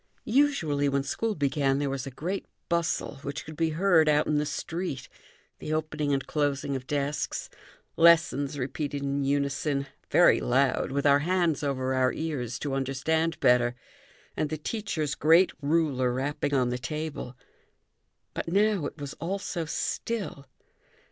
Usually, when school began, there was a great bustle, which could be heard out in the street, the opening and closing of desks, lessons repeated in unison, very loud, with our hands over our ears to understand better, and the teacher's great ruler rapping on the table. But now it was all so still!